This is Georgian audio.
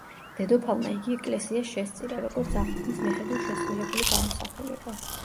დედოფალმა იგი ეკლესიას შესწირა, როგორც აღთქმის მიხედვით შესრულებული გამოსახულება.